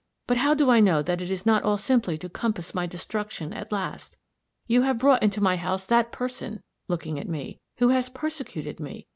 But how do I know that it is not all simply to compass my destruction at last? You have brought into my house that person," looking at me, "who has persecuted me.